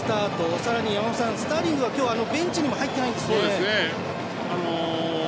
さらに山本さん、スターリングはベンチにも入っていないんですね。